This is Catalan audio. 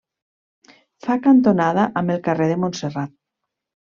Fa cantonada amb el carrer de Montserrat.